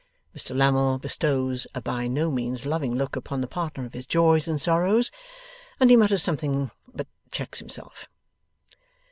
Mr Lammle bestows a by no means loving look upon the partner of his joys and sorrows, and he mutters something; but checks himself.